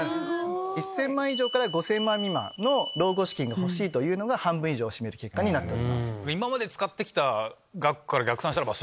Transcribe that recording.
１０００万以上から５０００万未満の老後資金が欲しいというのが半分以上を占める結果になっております。